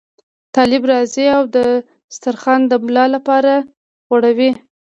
طالب راځي او دسترخوان د ملا لپاره غوړوي.